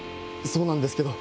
そうなんですけど。